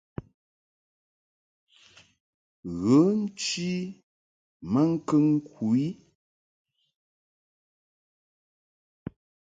Ghə nchi maŋkəŋ ku i.